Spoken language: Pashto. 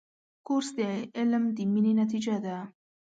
کورس د علم د مینې نتیجه ده.